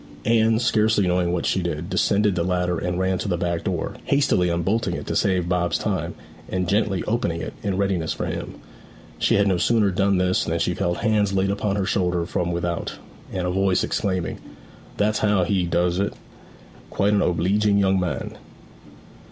Anne, scarcely knowing what she did, descended the ladder and ran to the back door, hastily unbolting it to save Bob's time, and gently opening it in readiness for him. She had no sooner done this than she felt hands laid upon her shoulder from without, and a voice exclaiming, 'That's how we doos it quite an obleeging young man!'